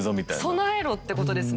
備えろってことですね。